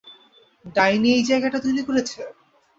ডাইনি এই জায়গাটা তৈরি করেছে?